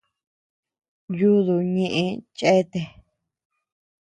Yudú ñeʼë cheatea.